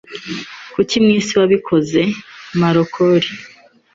Kuki mwisi wabikoze? (marloncori)